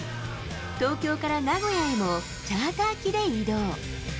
東京から名古屋へもチャーター機で移動。